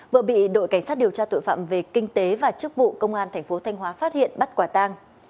vừa bị đội cảnh sát điều tra tội phạm về kinh tế và chức vụ công an thành phố thanh hóa phát hiện bắt quả tang